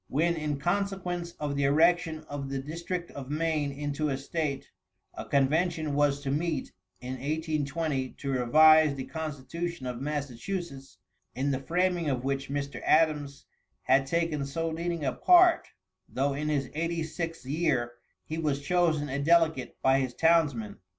When, in consequence of the erection of the district of Maine into a State, a convention was to meet in 1820 to revise the constitution of Massachusetts, in the framing of which Mr. Adams had taken so leading a part, though in his eighty sixth year, he was chosen a delegate by his townsmen.